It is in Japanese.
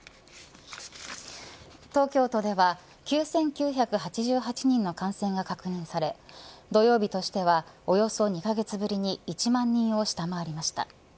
東京都では９９８８人の感染が確認され土曜日としてはおよそ２カ月ぶりに１万人を下回りました。